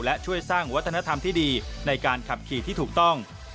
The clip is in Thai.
และช่วยสร้างวัฒนธรรมที่ดีในการขับขี่ที่ถูกต้อง